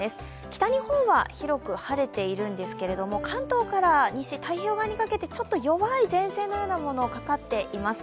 北日本は広く晴れているんですけども、関東から西、太平洋側にかけてちょっと弱い前線のようなものがかかっています。